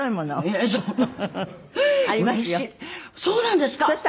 そうなんですか？